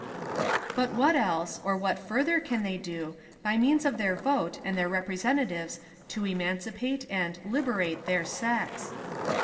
But what else, or what further can they do, by means of their vote and their representa tives to "emancipate" and "liberate" their sex?